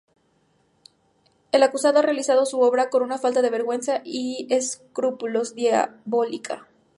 El acusado ha realizado su obra con una falta de vergüenza y escrúpulos diabólica.